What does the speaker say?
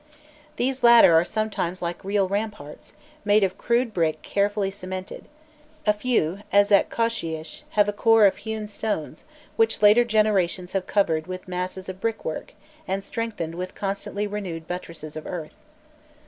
These latter are sometimes like real ramparts, made of crude brick carefully cemented; a few, as at Qosheish, have a core of hewn stones, which later generations have covered with masses of brickwork, and strengthened with constantly renewed buttresses of earth.